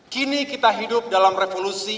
kini kita hidup dalam revolusi